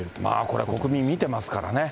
これ、国民見てますからね。